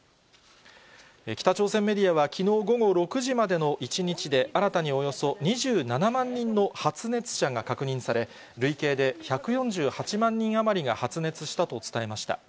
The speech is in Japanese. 北朝鮮メディアはきのう午後６時までの１日で、新たにおよそ２７万人の発熱者が確認され、累計で１４８万人余りが発熱したと伝えました。